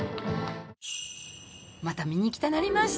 また見に行きたなりました。